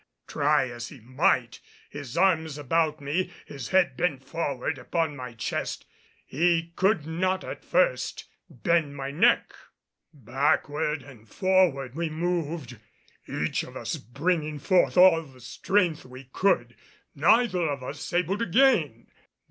Try as he might, his arms about me, his head bent forward upon my chest, he could not at first bend my neck. Backward and forward we moved, each of us bringing forth all the strength we could, neither of us able to gain.